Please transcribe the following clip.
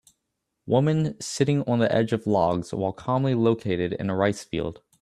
woman sitting on the edge of logs while calmly located in a rice field